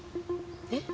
えっ？